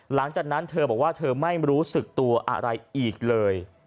หลังจากนั้นเธอบอกว่าเธอไม่รู้สึกตัวอะไรอีกเลย